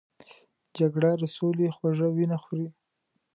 جګړه د سولې خوږه وینه خوري